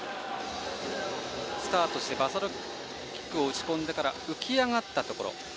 スタートしてバサロキックを打ち込んでから浮き上がったところ。